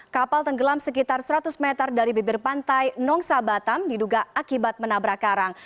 kapal tenggelam sekitar seratus meter dari bibir pantai nongsa batam diduga akibat menabrak karang